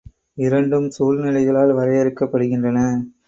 இரண்டும் சூழ்நிலைகளால் வரையறுக்கப் படுகின்றன.